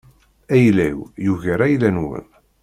Ayla-w yugar ayla-nwen.